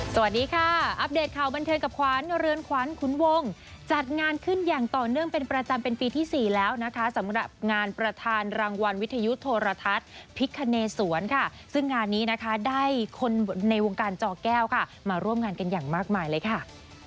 สวัสดีค่ะอัปเดตข่าวบันเทิงกับขวัญเรือนขวัญขุนวงจัดงานขึ้นอย่างต่อเนื่องเป็นประจำเป็นปีที่สี่แล้วนะคะสำหรับงานประธานรางวัลวิทยุโทรทัศน์พิคเนสวนค่ะซึ่งงานนี้นะคะได้คนในวงการจอแก้วค่ะมาร่วมงานกันอย่างมากมายเลยค่ะ